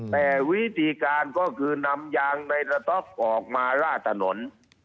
แต่วิธีการก็คือนำยางในระต๊อกออกมาราดถนน